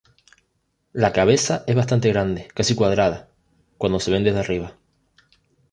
La cabeza es bastante grande, casi cuadrada, cuando se ven desde arriba.